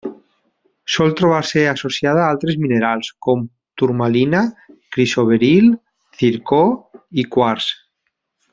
Sol trobar-se associada a altres minerals com: turmalina, crisoberil, zircó i quars.